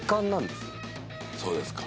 そうですか。